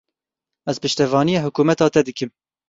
Ez piştevaniya hikûmeta te dikim.